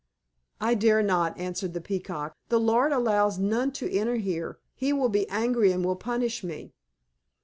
"I dare not," answered the Peacock. "The Lord allows none to enter here. He will be angry and will punish me."